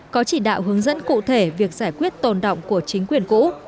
có chỉ đạo hướng dẫn cụ thể việc giải quyết tồn động của chính quyền cũ